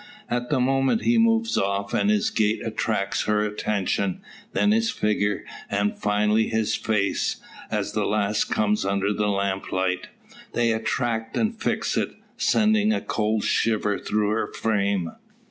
At the moment he moves off, and his gait attracts her attention; then his figure, and, finally, his face, as the last comes under the lamp light. They attract and fix it, sending a cold shiver through her frame.